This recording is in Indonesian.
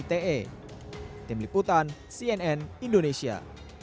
tim liputan cnn indonesia